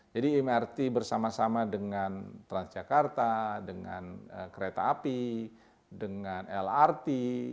jadi mrt bersama sama dengan transjakarta dengan kereta api dengan lrt